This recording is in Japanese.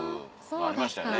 ありましたよね。